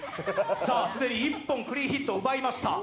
既に１本クリーンヒットを奪いました。